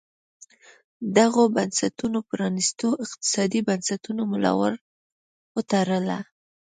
دغو بنسټونو پرانیستو اقتصادي بنسټونو ملا ور وتړله.